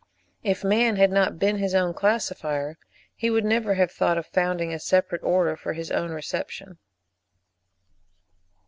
If man had not been his own classifier, he would never have thought of founding a separate order for his own reception.